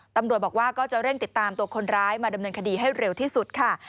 ตำรวจบอกว่าก็จะเร่งติดตามตัวคนร้ายมาดำเนินคดีให้เร็วที่สุดค่ะ